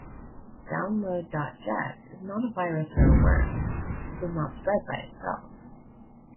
Download.ject is not a virus or a worm; it does not spread by itself.